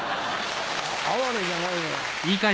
哀れじゃないよ。